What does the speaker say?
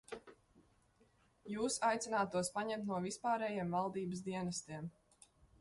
Jūs aicināt tos paņemt no vispārējiem valdības dienestiem.